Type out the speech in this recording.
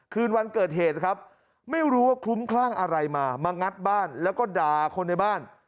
คืนวันเกิดเหตุครับไม่รู้ว่าคลุ้มคลั่งอะไรมามางัดบ้านแล้วก็ด่าคนในบ้าน